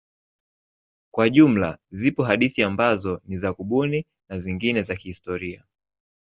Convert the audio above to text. Kwa jumla zipo hadithi ambazo ni za kubuni na zingine za kihistoria.